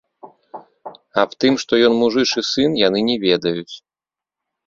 Аб тым, што ён мужычы сын, яны не ведаюць.